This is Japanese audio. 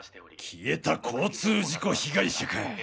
消えた交通事故被害者か。